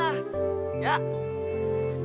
ya ampun wade